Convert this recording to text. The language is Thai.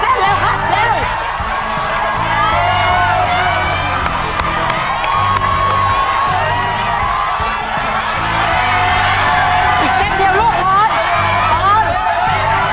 อีกเส้นเดียวลูกรอด